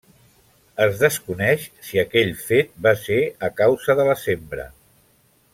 Es desconeix si aquell fet va ser a causa de la sembra.